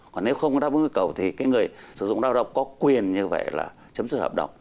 còn nếu không có đáp ứng yêu cầu thì cái người sử dụng lao động có quyền như vậy là chấm sửa hợp đồng